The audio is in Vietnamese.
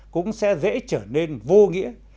cũng sẽ dễ trở nên vô nghĩa